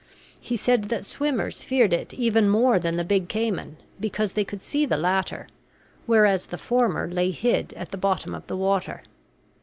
He said that swimmers feared it even more than the big cayman, because they could see the latter, whereas the former lay hid at the bottom of the water.